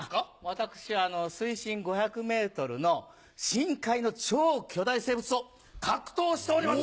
私は水深５００ｍの深海の超巨大生物と格闘しております。